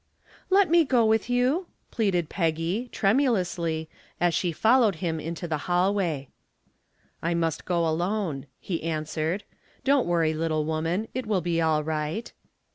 "Let me go with you," pleaded Peggy, tremulously, as she followed him into the hallway. "I must go alone," he answered. "Don't worry, little woman, it will be all right."